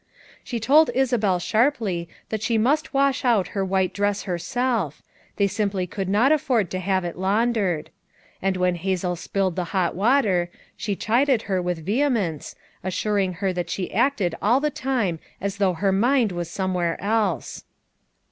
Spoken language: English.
She told Isabel sharply that she must wash out her white dress herself; they simply could not, afford to have it laun dered; and when Hazel spilled the hot water, FOUB MOTHERS AT CHAUTAUQUA 231 she chicled her with vehemence, assuring her that she acted all the time as though her mind was somewhere else.